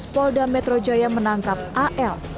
polda metro jaya menangkap a l